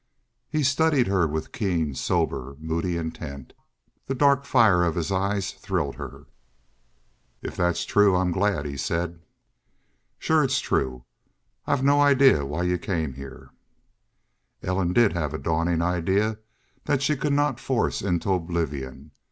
He studied her with keen, sober, moody intent. The dark fire of his eyes thrilled her. "If that's true, I'm glad," he said. "Shore it's true. I've no idea why y'u came heah." Ellen did have a dawning idea that she could not force into oblivion.